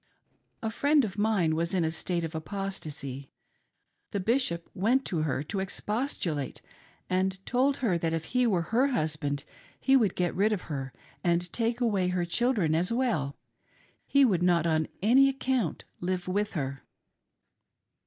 A friend of mine was in a state of apostacy. The Bishop went to her to expostulate, and told her that if he were her husband he would get rid of her and take away her children as well — he would not on any account live with her.